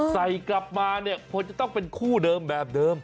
กลับมาเนี่ยควรจะต้องเป็นคู่เดิมแบบเดิม